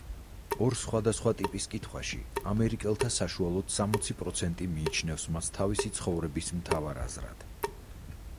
ორ სხვადასხვა ტიპის კითხვაში ამერიკელთა საშუალოდ სამოცი პროცენტი მიიჩნევს მას თავისი ცხოვრების მთავარ აზრად.